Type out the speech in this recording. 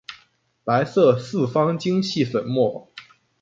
白色四方晶系粉末。